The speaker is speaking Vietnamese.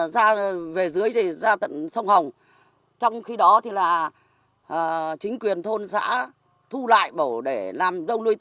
ra về dưới thì ra tận sông hồng trong khi đó thì là chính quyền thôn xã thu lại bổ để làm đông nuôi tôm